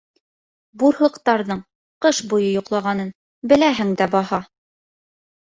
Бурһыҡтарҙың ҡыш буйы йоҡлағанын беләһең дә баһа.